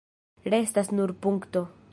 Restas nur punkto.